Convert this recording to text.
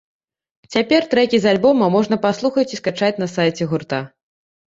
Цяпер трэкі з альбома можна паслухаць і скачаць на сайце гурта.